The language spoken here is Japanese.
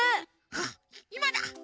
あっいまだ！